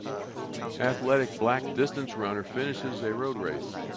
Athletic black distance runner finishes a road race